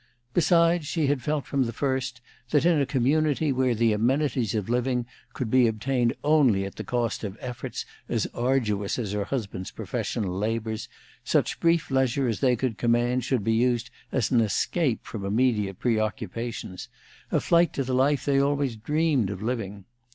Besides, she had felt from the first that, in a community where the amenities of living could be obtained only at the cost of efforts as arduous as her husband's professional labors, such brief leisure as they could command should be used as an escape from immediate preoccupations, a flight to the life they always dreamed of living.